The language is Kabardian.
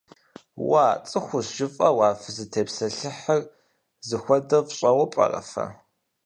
Уа, цӀыхущ жыфӀэу а фызытепсэлъыхьыр зыхуэдэр фщӀэуэ пӀэрэ фэ?